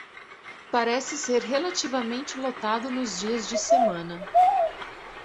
Parece ser relativamente lotado nos dias de semana.